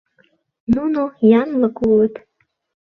Нуно янлык улыт.